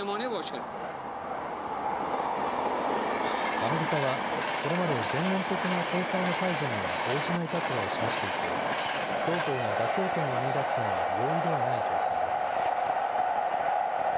アメリカはこれまで全面的な制裁の解除には応じない立場を示していて双方が妥協点を見いだすのは容易ではない情勢です。